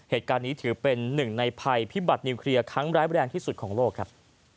เหตุการณ์นี้ถือเป็นหนึ่งในภัยพิบัตินิวเคลียร์ครั้งร้ายแรงที่สุดของโลกครับ